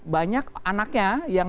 banyak anaknya yang